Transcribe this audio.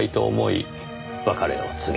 別れを告げた。